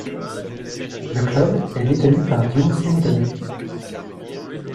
Le club est détenu par News Limited.